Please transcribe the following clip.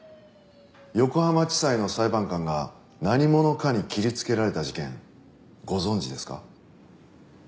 横浜地裁の裁判官が何者かに切りつけられた事件ご存じですか？